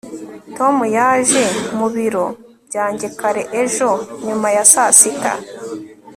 tom yaje mu biro byanjye kare ejo nyuma ya saa sita